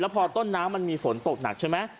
พอต้นน้ำมันมีฝนตกหนักใช่ไหม